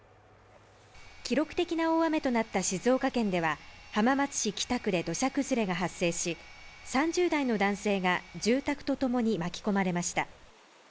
記録的な大雨となった静岡県では、浜松市北区で土砂崩れが発生し、３０代の男性が住宅と共に巻き込まれました。